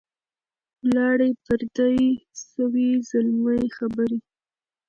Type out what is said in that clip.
ولاړې پردۍ سوې زلمۍ خبري